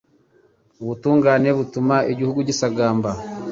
Ubutungane butuma igihugu gisagamba